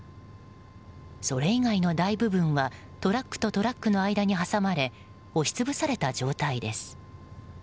それ以外の大部分はトラックとトラックの間に挟まれ押し潰された状態です。